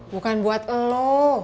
bukan buat elo